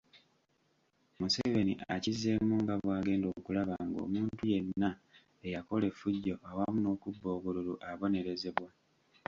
Museveni akizzeemu nga bw'agenda okulaba ng'omuntu yenna eyakola efujjo awamu n'okubba obululu abonerezebwa.